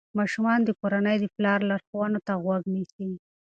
ماشومان د کورنۍ د پلار لارښوونو ته غوږ نیسي.